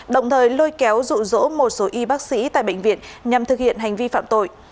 đồng thời lôi kéo rụ rỗ một số y bác sĩ tại bệnh viện nhằm thực hiện hành vi phạm tội